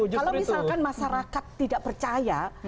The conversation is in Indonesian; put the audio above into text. jadi misalkan masyarakat tidak percaya